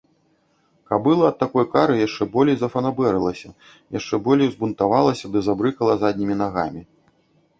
Кабыла ад такой кары яшчэ болей зафанабэрылася, яшчэ болей узбунтавалася ды забрыкала заднімі нагамі.